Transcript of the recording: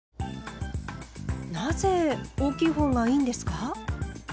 なぜ大きい方がいいんですか？